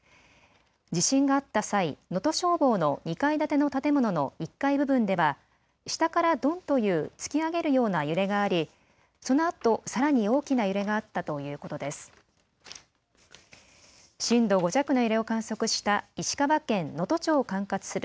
地震があった際、能登消防の２階建ての建物の１階部分では下からドンという突き上げるような揺れがあり、そのあとさらに大きな揺れがあったということです。